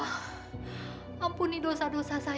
kenapa ini bisa terjadi sama saya ya allah